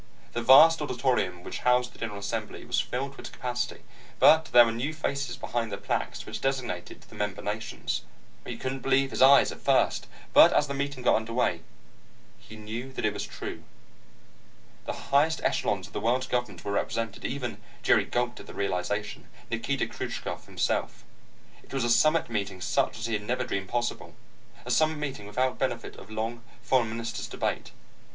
The vast auditorium which housed the general assembly was filled to its capacity, but there were new faces behind the plaques which designated the member nations. He couldn't believe his eyes at first, but as the meeting got under way, he knew that it was true. The highest echelons of the world's governments were represented, even Jerry gulped at the realization Nikita Khrushchev himself. It was a summit meeting such as he had never dreamed possible, a summit meeting without benefit of long foreign minister's debate.